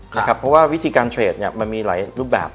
เพราะว่าวิธีการเทรดมันมีหลายรูปแบบ